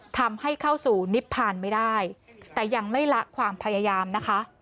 ทำให้เข้าสู่นิพพานไม่ได้แต่ยังไม่ละความพยายามนะคะ